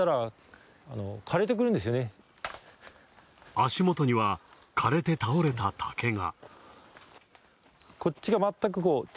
足元には、枯れて倒れた竹が。